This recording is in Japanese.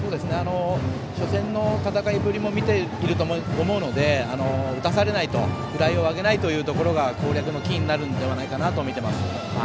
初戦の戦いぶりも見ていると思うので打たされないフライを上げないというのが攻略のキーになるのではないかなと見ています。